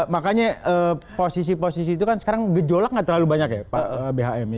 makanya posisi posisi itu kan sekarang gejolak gak terlalu banyak ya pak bhm